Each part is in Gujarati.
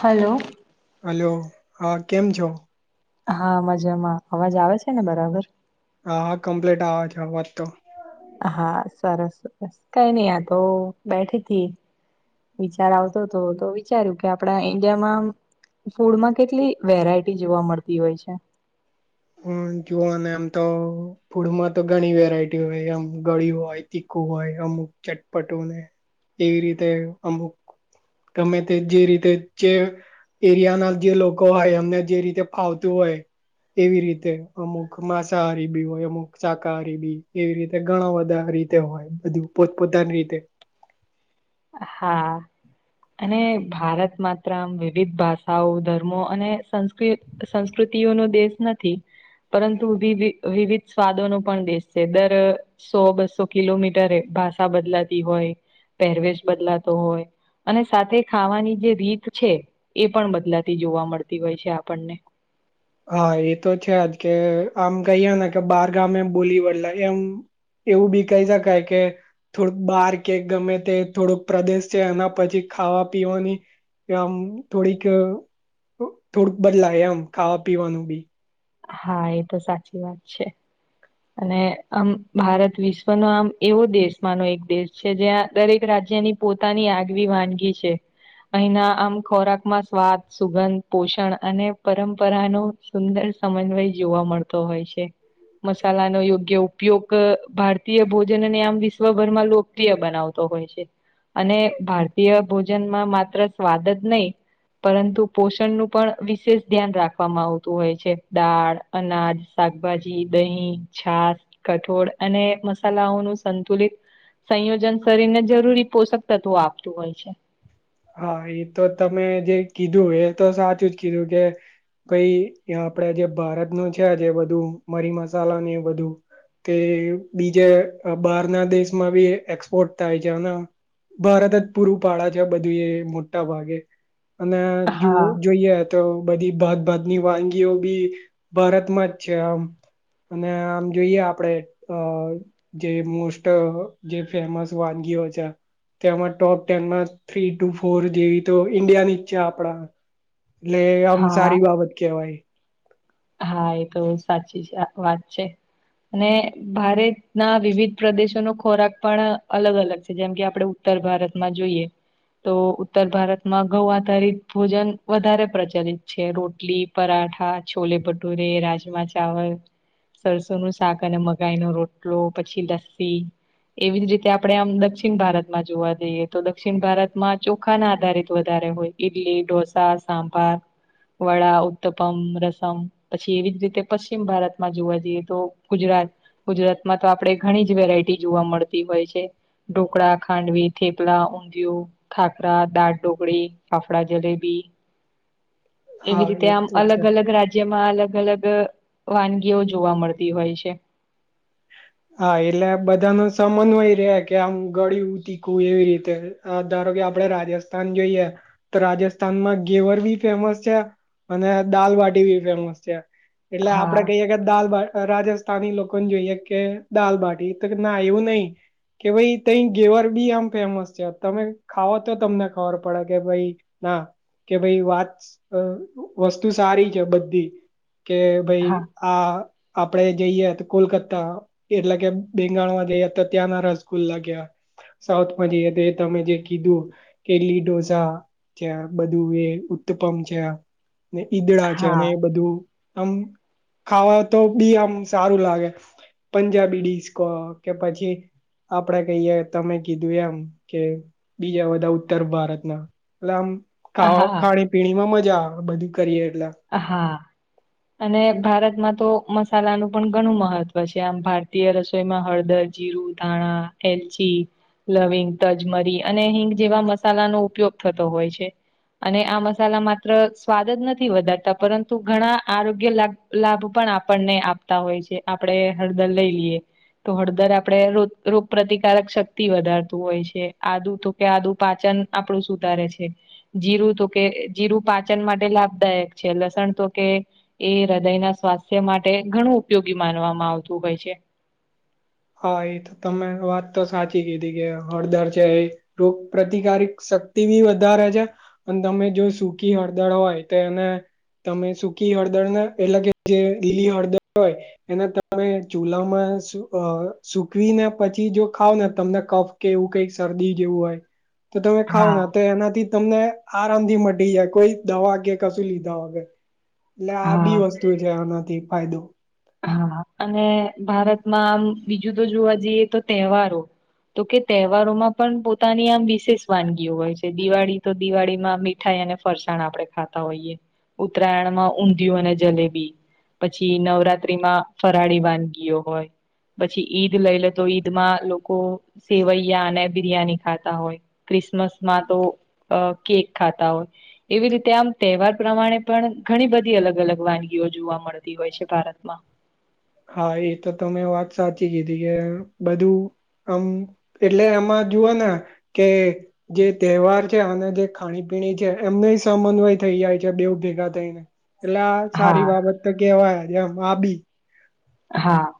હલો હલો હા કેમ છો? હા મજામાં અવાજ આવે છે ને બરાબર હા હા કમ્પ્લીટ આવે છે વાત તો હા સરસ સરસ કઈ નહી આ તો બેઠી થી. વિચાર આવતો હતો તો વિચાર્યું કે આપણા ઈન્ડિયામાં ફૂડમાં કેટલી વેરાયટી જોવા મળતી હોય છે. હ જોને એમ તો ફૂડમાં તો ઘણી વેરાયટી હોય આમ ગળી હોય તીખું હોય અમુક ચટપટુંને એવી રીતે અમુક ગમે તે જે રીતે જે એરિયા ના જે લોકો હોય એમને જે રીતે ફાવતું હોય એવી રીતે અમુક માંસાહારી બી હોય અમુક શાકાહારી બી એવી રીતે ઘણા બધા રીતે હોય બધું પોત પોતાની રીતે હા. અને ભારત માત્રમ વિવિધ ભાષાઓ ધર્મો અને સંસ્કૃત સંસ્કૃતિઓ નો દેશ નથી પરંતુ વિ વિવિધ સ્વાદોનો પણ દેશ છે દર સો, બસો, કિલોમીટરેએ ભાષા બદલાતી હોય, પહેરવેશ બદલાતો હોય અને સાથે ખાવાની જે રીત છે એ પણ બદલાતી જોવા મળતી હોય છે આપણને હા, એ તો છે જ કે આમ કહીયે ને કે બાર ગામે બોલી બદલાય એમ એવું બી કહી શકાય કે થોડુંક બાર કે ગમે તે થોડોક પ્રદેશ છે એના પછી ખાવા પીવાની આમ થોડીક, થોડુંક બદલાય આમ ખાવા પીવાનું બી હા, એ તો સાચી વાત છે અને આમ ભારત વિશ્વનો આમ એવો દેશમાંનો એક દેશ છે જ્યાં દરેક રાજ્યની પોતાની આગવી વાનગી છે અહીના આમ ખોરાકમાં સ્વાદ સુગંધ પોષણ અને પરંપરા નો સુંદર સમન્વય જોવા મળતો હોય છે મસાલા નો યોગ્ય ઉપયોગ ભારતીય ભોજન અને આમ વિશ્વભરમાં લો બનાવતો હોય છે, અને ભારતીય ભોજનમાં માત્ર સ્વાદ જ નહીં. પરંતુ પોષણનું પણ વિશેષ ધ્યાન રાખવામાં આવતું હોય છે. દાળ અનાજ શાકભાજી દહીં છાસ. કઠોળ અને મસાલાઓનું સંતુલિત સંયોજન શરીરને જરૂરી પોષક તત્વો આપતું હોય છે. હા એ તો તમે જે કીધું એ તો સાચું જ કીધું કે ભાઈ આપડે જે ભારત ન છે જે બધું મરી મસાલાને એ બધું. કે બીજે બહારના દેશમાં બી એક્સપોર્ટ થાય છે. ભારત જ પૂરું પડે છે બધું એ મોટા ભાગે, અને જો હા જોઈએ. તો બધી ભાતભાતની વાનગીઓ બી, ભારતમાં જ છે આમ. અને આમ જોઈએ આપડે અ જે મોસ્ટ જે ફેમસ વાનગીઓ છે તેમાં જ ટોપ ટેનમાં થ્રી ટુ ફોર જેવી તો ઈન્ડિયા નીચ છે આપડા. એટલે આમ હા સારી બાબત કેવાય. હા એ તો સાચી છે વાત છે. અને ભારતના વિવિધ પ્રદેશોનો ખોરાક પણ અલગ અલગ છે જેમ કે આપડે ઉત્તર ભારતમાં જોઈએ. તો ઉત્તર ભારતમાં ઘઉ આધારિત ભોજન વધારે પ્રચલિત છે રોટલી. પરાઠા છોલે ભટુરે રાજમા ચાવલ. સરસો નું શાક અને મગઈ ન રોટલો પછી લસ્સી. એવી જ રીતે આપણે આમ દક્ષિણ ભારતમાં જોવા જઈએ તો દક્ષિણ ભારતમાં ચોખા ના આધારિત વધારે હોય. ડલી દોસા સાબારવળ, ઉત્તપમ રસ. મ પછી એવી જ રીતે પશ્ચિમ ભારતમાં જોવા જઈએ તો ગુજરાત ગુજરાતમાં તો આપણેે ઘણી જ વેરાયટી જોવા મળતી હોય છે. ઢોકળા, ખાંડવી, થેપલા, ઊંધિયું, ખાખરા, દાળ ટઢોકરી, ફાફડા, જલેબી, એવી હા રીતે એ આમ તો છે. અલગ અલગ રાજ્ય. જેમાં અલગ અલગ વાનગીઓ જોવા મળતી હોય છે. હા એટલે બધા ન સમન્વય રહેે કે આમું ગળી ઉ તીખું એવી રીતે. ધારો કે આપડે રાજસ્થાન જોઈએ તો રાજસ્થાનમાં ગેવર બી ફેમસ છે. અને દાલબટી ભી ફેમસ છે. એટલે હા આપડે કહીયે કે દાલ રાજસ્થાની લોકોને જોઈએ. કે દાલબાટી તો કે ના એવું નહી. કે ભાઈ તહી ઘેવર બી આમ ફેમસ છે તમે ખાવો તો તમને ખબર પડે કે ભાઈ ના કે ભાઈ વાત વસ્તુ સારી છે. બધી કે ભાઈ હા આ આપડે જઈએ તો કોલકતા એટલે કે બેંગાળમાં જયા તો ત્યાંના રસગુલ લાગ્યા. સાઉથમાં જઈએ તો એ તમે જે કીધું કે લ ડોઝા ત્યા બધું એ ઉત્પમ છે ઈદડા છે અને હા એ બધું આમ ખાવા તો બી આમ સારું લાગે પંજાબી ડીશકો કે પછી આપણેે કહીએ તમે કીધું એમ કે બીજા બધા ઉત્તર ભારતના એટલે આમા હા ખાણી પીણીમાં મજા આવે બધું કરીએ એટલે હા અને ભારતમાં તો મસાલાનું પણ ઘણું મહત્વ છે આમ ભારતીય રસોઈમાં હળદર જીરું ધાણા એલચી લવિંગ તજમરી અને હિંગ જેવા મસાલાનોો ઉપયોગ થતો હોય છે અને આ મસાલા માત્ર સ્વાદ જ નથી વધા પરંતુ ઘણા આરોગ્ય લાભ પણ આપણને આપતા હોય છે આપણે હળદર લઈ લઈએ તો હળદર આપડે રો રોગ પ્ર્રતિકારક શક્તિ વધારતું હોય છે આદુ તો કે આદું પાચન આપણું સુધારે છે જીરું તો કે જીરું પાચન માટે લાભદાયક છે લસણ તો કે એ હૃદય ના સ્વાસ્થ્ય માટે ઘણું ઉપયોગી માનવામાં આવતું હોય છે હા એ તો તમે વાત તો સાચી કીધી કે હળદર છે એ રોગ પ્રતિકારક શક્તિ બી વધારે છે અને તમે જો સુૂકી હળદર હોય તોને તમે સૂકી હળદર ના એટલે કે જે લીલી હળદર હોય એને તમે ચૂલામાં શું અ સુકવીને પછી જો ખાવ ને તમને કફ કે એવું કઈક શરદી જેવું હોય તો તમે ખાવ હા ને તો એનાથી તમને આરામથી મટી જાય કોઈ દવા કેે કશું લીધા વગે. એટલે આ હા બી વસ્તુ છે આનાથી ફાયદો. હા અને ભારતમાં આમ બીજું તો જોવા જઈએ તો તહેવારો. તો કે તહેવારોમાં પણ પોતાની આમ વિશેષ વાનગીઓ હોય છે દિવાળી તો દિવાળીમાં. મીઠાઈ અને ફરસાણ આપડણે ખાતા હોઈએ ઉત્તરાયણમાં ઊંધિયું અને જલેબી. પછી નવરાત્રીમાં ફરાળી વાનગીઓ હોય. પછી ઈદ લઈ લે તો ઈદ માં લોકો સેવૈયા અને બિરિયાની ખાતા હોય. ક્રિસમસમાં તો કેક ખાતા હોય. એવી રીતે આમ તહેવાર પ્રમાણે પણ ઘણી બધી અલગ અલગ વાનગીઓ જોવા મળતી હોય છે ભારત. બ. હા એ તો ત મેં વાત સાચી કીધી કે બધું. આમ એટલે આમાં જોુવાના કે. જે તહેવાર છે અને જે ખાણી પીણી છે એમને સમન્વય થઈ જાય છે બેવ ભેગા થઈને. એટલે આ સારી હા બાબત તો કેવાયજ એમ આ બી. હા.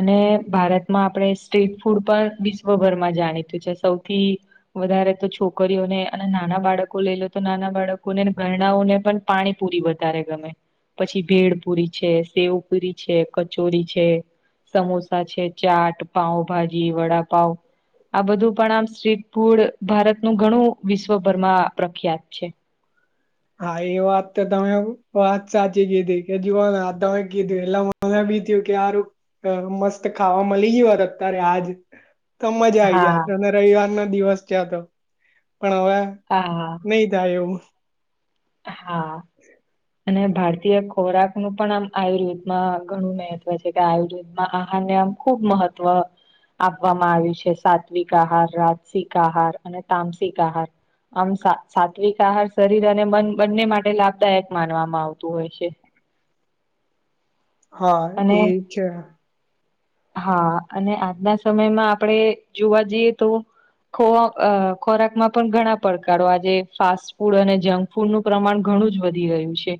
અને ભારતમાં આપણે સ્ટ્રીટ ફૂડ પણ વિશ્વભરમાં જાણીતું છે સૌથી. વધારે તો છોકરીઓને અને નાના બાળકો લઈ લો તો નાના બાળકોને ઘરણાઓને પણ. પાણીપુરી વધારે ગમે પછી ભેડ પુરી છે સેવ પુરી છે. કચોરી છે સમોસા છે ચાટ પાાવભાજી વડાપાવ. આ બધું પણ આમ સ્ટ્રીટ ફૂડ ભારતનુંું ઘણું વિશ્વભરમાં પ્રખ્યાત છે. હા એ વાત તો તમે વાત સાચી કીધી કેજ કોને તમે કીધું એટલે. મને બી થયું કેારું મસ્ત ખાવામાં લી ગય હોયત અત્યારે આજ. તો મજા આવી જાય હા તો અને રવિવાર ના દિવસ છે તો પણ હવે. હા હા. નહી તાયો હા. અને ભારતીય ખોરાક નું પણ આમ આયુર્વેદમાં ઘણું મહત્વ છે કે આયુર્વેદમાં આહારને આમ. ખૂબ મહત્વ. આપવામાં આવ્યું છે સાત્વિક આહાર રાજસિક આહાર અને તામસિક આહાર. આમ સાત્વિક આહાર શરીર અને મન બંને માટે લાભદાયક માનવામાં આવતું હોય છે. હા એ અને છે. હા અને આજના સમયમાં આપણેે જોવા જઈએ તો. ખ ખોરાકમાં પણ ઘણા પડકારો આજે ફાસ્ટ ફૂડ અને જંક. ફૂડનું પ્રમાણ ઘણું જ વધી રહય્યું છે.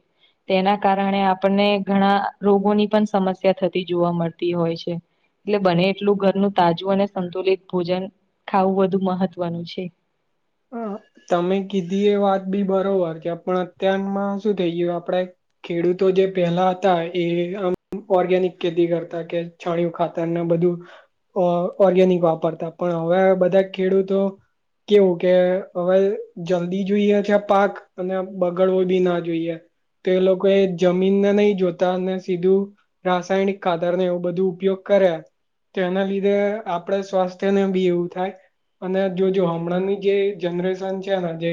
તેના કારણે આપણને ઘણા રોગોની પણ સમસ્યા થતી જોવા મળતી હોય છે. એટલે બને એટલું ઘરનું તાજું અને સંતુલિત ભોજન ખાવું વધુ મહત્વનું છે. હા તમે કીધી એ વાત બી બરોબર કે પણ અત્યારમાં શું થઈ ગયું આપડે ખેડૂતો જે પેલા હતા એ આમ ઓર્ગેનિક ખેતી કરતા કે છાણીયું ખાતાને બધું. ઓર્ગેનિક વાપરતા પણ હવે બધા ખેડૂતો કે હવે જલ્દી જોઈએ છે પાક અને બગડવો બી ના જોઈએ. તો એ લોકો એ જમીનને નહી જોતા અને સીધું. રાસાયણિક કાતરને એવું બધું ઉપયોગ કરે. તો એના લીધે આપને સ્વાસ્થ્યને બી એવું થાય અને જો જો હમણાં ની. જે જનરેશન છે ને જે.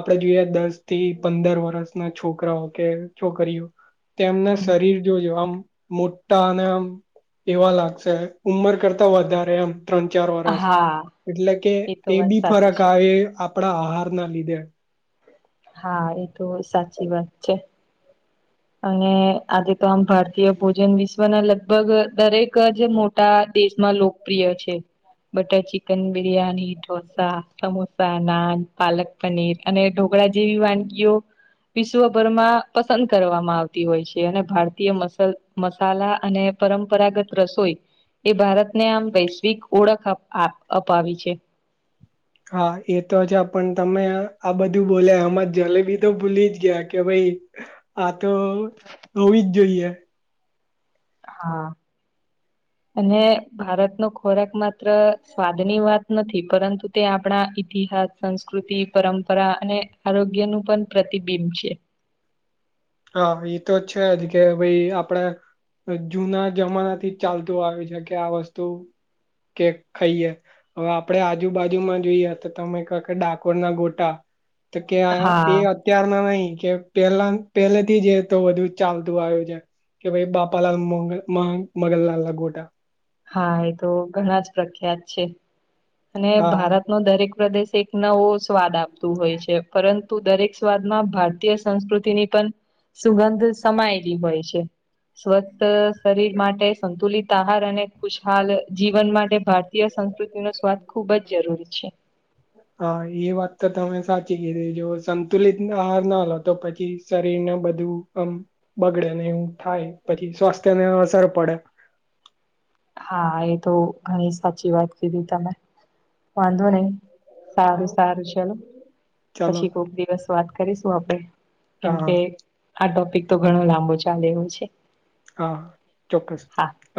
આપડણે જોઈએ દસ થી પંદર વર્ષના છોકરાઓ કે છોકરીઓ. તેમના હમ. શરીર જો જો આમ. મોટા અને એમ એવા લાગશે ઉંમર કરતા વધારે ત્રણ ચાર વરષ હા એટલે કે તો એ વાત બી સાચી ફરક છે આવે આપણા આહાર ના લીધે. હા એ તો સાચી વાત છે. અને આજે તો આમ ભારતીય ભોજન વિશ્વના લગભગ દરેક જ મોટા દેશમાં લોક પ્રિય છે બટર ચિકન બિરિયાની ઢોસા સમોસા નાન પાલક પનીર અને ઢોકળા જેવી વાનગીઓ વિશ્વભરમાં પસંદ કરવામાં આવતી હોય છે અને ભારતીય મસાલ મસાલા અને પરંપરાગત રસોઈ એ ભારતને આમ વૈશ્વિક ઓળખ અપાવી છે હા એ તો છે પણ તમે આ બધું બોલે આમમાં જલેબી તો ભૂલી જ ગયા કે ભાઈ આ તો હોવી જ જોઈએ હા અને ભારતનો ખોરાક માત્ર સ્વાદની વાત નથી પરંતુ તે આપણા ઈતિહાસ સંસ્કૃતિ પરંપરા અને આરોગ્ય નું પણ પ્રતિબિંબ છે હા એ તો છે જ કે ભાઈ આપડે જુના જમાના થી જ ચાલતું આવ્યુ છે કે આ વસ્તુ કે ખાઈએ હવે આપડણે આજુબાજુમાં જોઈએ તો તમે કહ કે ડાકોરના ગોટા તો કે એ હા અત્યારના નહી કે પેલા પેલેથી જ એતો બધું જ ચાલતું આવ્યું છે કે ભાઈ બાપાલાલ મંગ મગન લાલ ના ગોટા હા એ તો ઘણા જ પ્રખ્યાત છે અને હા ભારત નો દરેક પ્રદેશ એક નવો સ્વાદ આપતું હોય છે પરંતુ દરેક સ્વાદમાં ભારતી ભારતીય સંસ્કૃતિ ની પણ સુગંધ સમાયેલી હોય છે સ્વસ્થ શરીર માટે સંતુલિત આહાર અને ખુશહાલ જીવન માટે ભારતીય સંસ્કૃતિ ખુબ જ જરૂરી છે હા એ વાત તો તમે સાચી કીધી જો સંતુલિત આહાર ના લો તો પછી શરીર ને બધું આમ બગડે ને એવું થાય પછી સ્વાસ્થ્ય ને અસર પડે હા એ તો ઘણી સાચી વાત કીધી તમે વાંધો નહી સારું સારું ચલો ચાલો પછી કોક દિવસ વાત કરીશું આપણે હા કેમકે આ ટોપિક તો ઘણો લાંબો ચાલે એવો છે હા હા ચોક્કસ હા હ